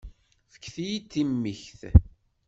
Fket-iyi-d timikt.